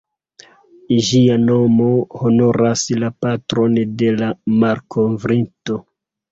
Ĝia nomo honoras la patron de la malkovrinto.